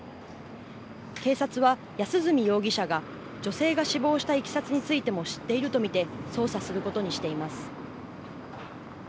警察は安栖容疑者が女性が死亡したいきさつについても知っていると見て捜査することにしています。